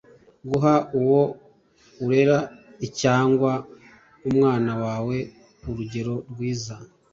Guha uwo urera cyangwa Umwana wawe urugero rwiza